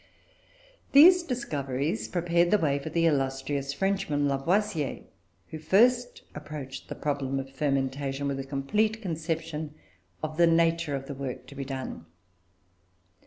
These discoveries prepared the way for the illustrious Frenchman, Lavoisier, who first approached the problem of fermentation with a complete conception of the nature of the work to be done.